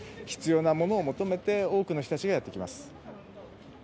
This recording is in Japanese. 必要なものを求めて多くの人たちがやってきます。